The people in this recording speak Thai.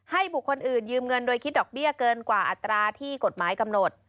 บุคคลอื่นยืมเงินโดยคิดดอกเบี้ยเกินกว่าอัตราที่กฎหมายกำหนด